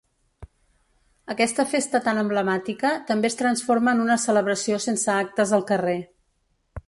Aquesta festa tan emblemàtica també es transforma en una celebració sense actes al carrer.